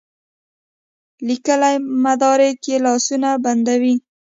لیکلي مدارک یې لاسونه بندوي.